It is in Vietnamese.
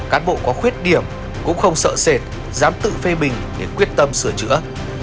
cán bộ có khuyết điểm cũng không sợ sệt dám tự phê bình để quyết tâm sửa chữa